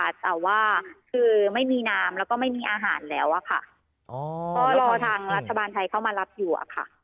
แต่ว่าคือไม่มีน้ำแล้วก็ไม่มีอาหารแล้วอะค่ะอ๋อก็รอทางรัฐบาลไทยเข้ามารับอยู่อะค่ะ